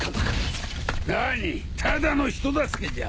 何ただの人助けじゃ。